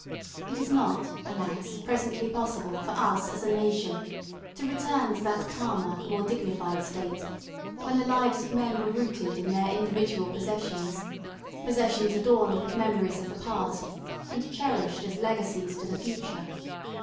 It is not, alas! presently possible for us as a nation to return to that calmer, more dignified state when the lives of men were rooted in their individual possessions, possessions adorned with memories of the past and cherished as legacies to the future.